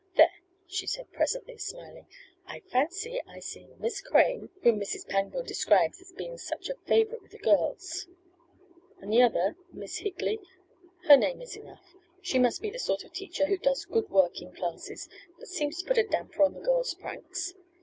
"There," she said presently, smiling. "I fancy I see Miss Crane, whom Mrs. Pangborn describes as being such a favorite with the girls. And the other, Miss Higley her name is enough. She must be the sort of teacher who does good work in classes, but seems to put a damper on the girls' pranks.